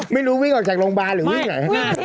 ไม่รู้วิ่งออกจากโรงการหรือวิ่งไหว